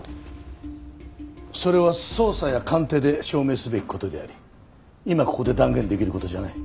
それは捜査や鑑定で証明すべき事であり今ここで断言できる事じゃない。